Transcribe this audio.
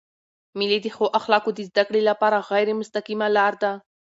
مېلې د ښو اخلاقو د زدهکړي له پاره غیري مستقیمه لار ده.